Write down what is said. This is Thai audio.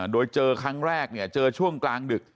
โดยเจอครั้งแรกเจอช่วงกลางดึก